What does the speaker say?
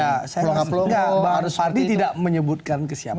ya saya rasa bang fadli tidak menyebutkan ke siapa